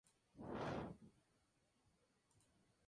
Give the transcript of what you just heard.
Se crean las primeras cafeterías, de propiedad luso-italianas.